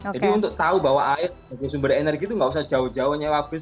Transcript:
jadi untuk tahu bahwa air sebagai sumber energi itu tidak perlu jauh jauhnya habis